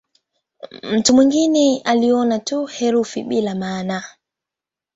Mtu mwingine aliona tu herufi bila maana.